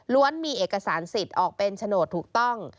มีเอกสารสิทธิ์ออกเป็นโฉนดถูกต้อง